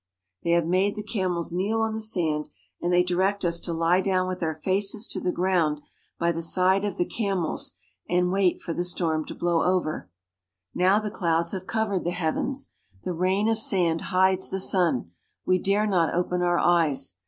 They have made the camels kneel on the sand, and they direct us to lie down with our faces to the ground by the side of the camels and to wait for the storm to blow over. Now the clouds have covered the heavens. The rain of sand hides the sun. We dare not open our eyes.